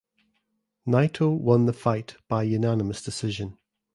Naito won the fight by unanimous decision.